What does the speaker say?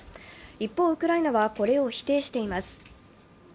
一方、ウクライナはこれを否定しています。